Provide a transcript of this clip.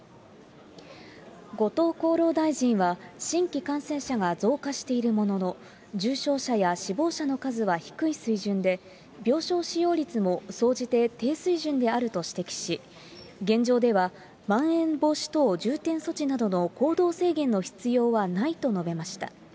後藤厚労大臣は新規感染者が増加しているものの、重症者や死亡者の数は低い水準で、病床使用率も総じて低水準であると指摘し、現状ではまん延防止等重点措置などの行動制限の必要はないと述べました。